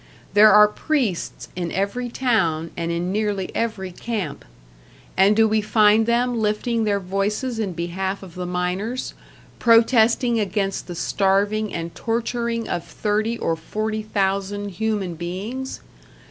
There are priests in every town, and in nearly every camp. And do we find them lifting their voices in behalf of the miners, protesting against the starving and torturing of thirty or forty thousand human beings?